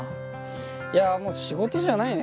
いやもう仕事じゃないね